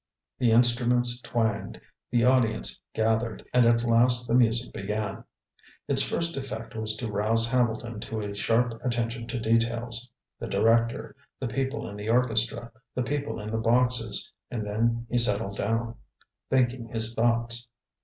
The instruments twanged, the audience gathered, and at last the music began. Its first effect was to rouse Hambleton to a sharp attention to details the director, the people in the orchestra, the people in the boxes; and then he settled down, thinking his thoughts.